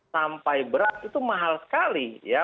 sampai berat itu mahal sekali ya